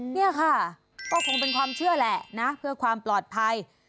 นี่ค่ะก็คงเป็นความเชื่อแหละนะเพื่อความปลอดภัย